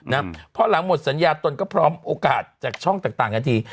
พอหลังหมดสัญญาตนก็พร้อมโอกาสจากช่องต่างต่างนาที